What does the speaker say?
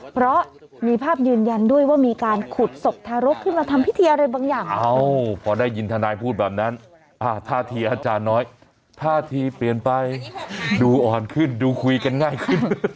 ธาทีเปลี่ยนไปดูอ่อนขึ้นดูคุยกันง่ายขึ้น